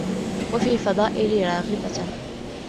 وَفِي الْفَضَائِل رَاغِبَةً